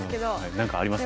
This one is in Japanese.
何かあります？